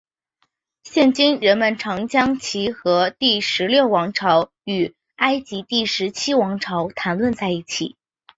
现今人们常将其和第十六王朝与埃及第十七王朝谈论在一起。